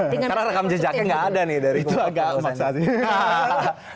karena rekam jejaknya nggak ada nih dari kompetensi